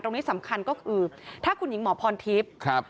ตรงนี้สำคัญก็คือถ้าคุณหญิงหมอพรทิพย์